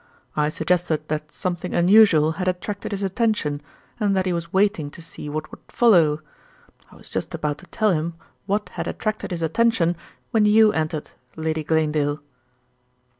I suggested that something unusual had attracted his attention, and that he was waiting to see what would follow. I was just about to tell him what had attracted his attention when you entered, Lady Glanedale."